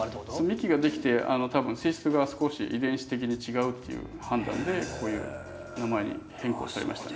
幹ができて多分性質が少し遺伝子的に違うっていう判断でこういう名前に変更されました。